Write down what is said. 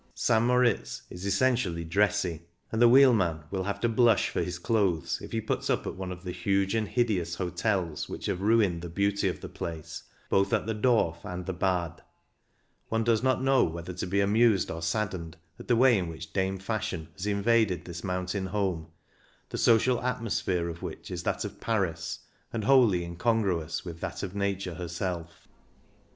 St. Moritz is essentially "dressy," and the wheelman will have to blush for his clothes if he puts up at one of the huge and hid eous hotels which have ruined the beauty of the place, both at the Dorf and the Bad. One does not know whether to be amused or saddened at the way in which Dame Fashion has invaded this mountain home, the social atmosphere of which is that of Paris, and wholly incongruous with that of Nature herself.